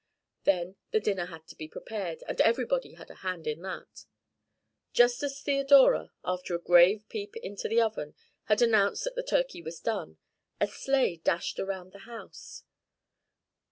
Then the dinner had to be prepared, and everybody had a hand in that. Just as Theodora, after a grave peep into the oven, had announced that the turkey was done, a sleigh dashed around the house.